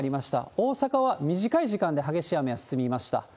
大阪は短い時間で激しい雨は済みました。